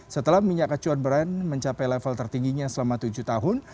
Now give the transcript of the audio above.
setelah minyak acuan brand mencapai level tertingginya selama tujuh tahun